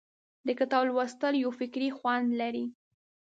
د کتاب لوستل یو فکري خوند لري.